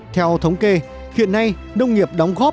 theo thống kê hiện nay nông nghiệp đóng góp hai mươi